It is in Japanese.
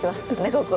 ここ。